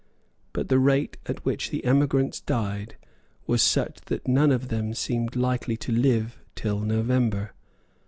But the rate at which the emigrants died was such that none of them seemed likely to live till November.